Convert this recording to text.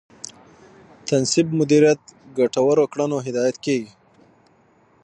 تثبیت مدیریت ګټورو کړنو هدایت کېږي.